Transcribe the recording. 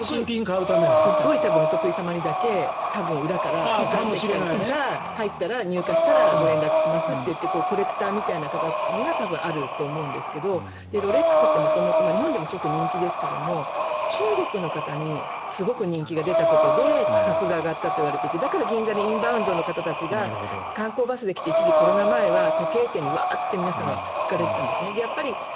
すごいお得意様にだけ多分、裏からかもしれないとか入荷したらご連絡しますといってコレクターみたいな方にはあると思うんですがロレックスって元々日本でも人気ですが中国の方にすごく人気が出たことで価格が上がったといわれていてだから銀座でインバウンドの方たちが観光バスで来て一時、コロナ前は時計店に皆さんが行かれてたんですね。